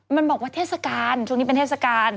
มันบอกว่าเทศกาลช่วงนี้เป็นเทศกาล